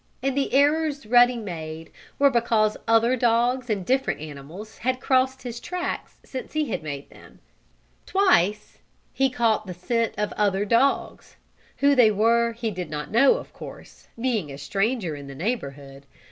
And the errors Ruddy made were because other dogs and different animals had crossed his tracks since he had made them. Twice he caught the scent of other dogs. Who they were he did not know, of course, being a stranger in the neighborhood.